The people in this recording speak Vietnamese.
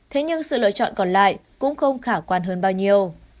thế nhưng sự lựa chọn còn lại cũng không khả quan hơn bao nhiêu